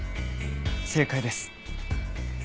正解です。